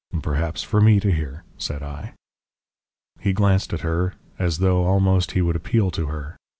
"'Perhaps for me to hear,' said I. "He glanced at her, as though almost he would appeal to her.